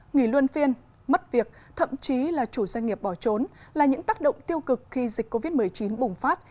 nghỉ luân phiên mất việc thậm chí là chủ doanh nghiệp bỏ trốn là những tác động tiêu cực khi dịch covid một mươi chín bùng phát